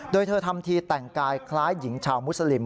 โดยเธอทำทีแต่งกายคล้ายหญิงชาวมุสลิม